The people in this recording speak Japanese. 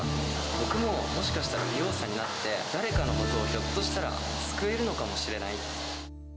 僕も、もしかしたら美容師さんになって、誰かのことをひょっとしたら救えるのかもしれない。